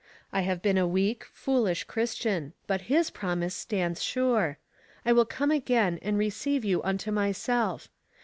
I have been a weak, foolish Chris tian ; but his promise stands sure. * I will come again and receive you unto myself.'